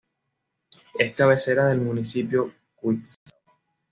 Es cabecera del municipio de Cuitzeo.